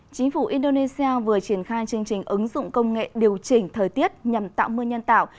chính phủ indonesia vừa triển khai chương trình ứng dụng công nghệ điều chỉnh thời tiết nhằm tạo mưa nhân tạo